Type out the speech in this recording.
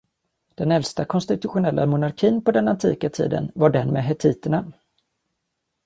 Den äldsta konstitutionella monarkin på den antika tiden var den med Hettiterna.